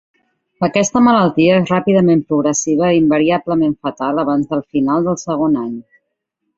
Aquesta malaltia és ràpidament progressiva i invariablement fatal abans del final del segon any.